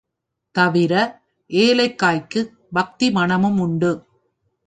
தவிர, ஏலக்காய்க்குப் பக்தி மணமும் உண்டு.